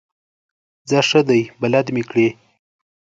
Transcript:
ځه ښه دی بلد مې کړې.